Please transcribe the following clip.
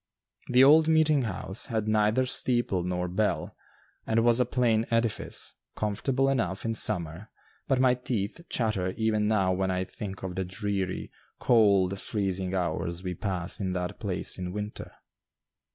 The old meeting house had neither steeple nor bell and was a plain edifice, comfortable enough in summer, but my teeth chatter even now when I think of the dreary, cold, freezing hours we passed in that place in winter.